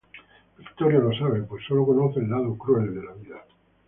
Victorio lo sabe, pues solo conoce el lado cruel de la vida.